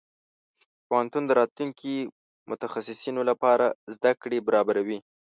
پوهنتون د راتلونکي متخصصينو لپاره زده کړې برابروي.